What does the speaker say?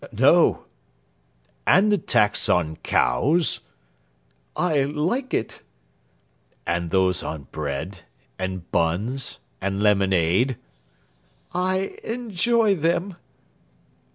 "No." "And the tax on cows?" "I like it." "And those on bread, and buns, and lemonade?" "I enjoy them."